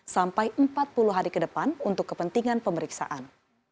sampai empat puluh hari ke depan untuk kepentingan pemeriksaan